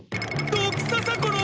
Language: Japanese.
ドクササコの。